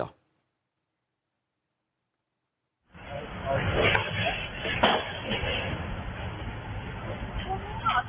นิ้วจนใจสักครั้ง